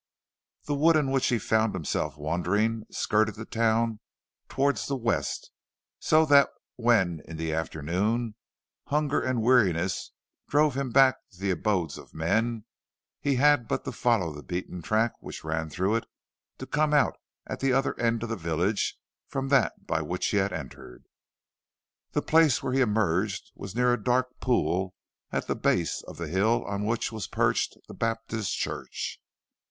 The wood in which he found himself wandering skirted the town towards the west, so that when, in the afternoon, hunger and weariness drove him back to the abodes of men, he had but to follow the beaten track which ran through it, to come out at the other end of the village from that by which he had entered. The place where he emerged was near a dark pool at the base of the hill on which was perched the Baptist church.